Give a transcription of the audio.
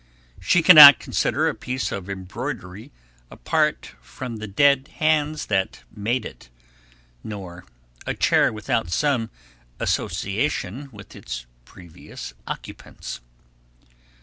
She cannot consider a piece of embroidery apart from the dead hands that made it, nor a chair without some association with its previous occupants.